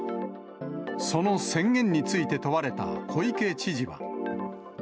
その宣言について問われた小池知事は。